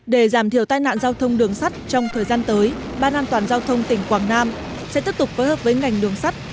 để giảm thiểu tai nạn giao thông đường sắt trong thời gian tới ban an toàn giao thông tỉnh quảng nam sẽ tiếp tục phối hợp với ngành đường sắt